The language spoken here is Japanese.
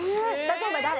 例えば誰？